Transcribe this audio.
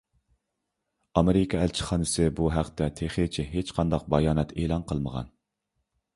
ئامېرىكا ئەلچىخانىسى بۇ ھەقتە تېخىچە ھېچقانداق بايانات ئېلان قىلمىغان.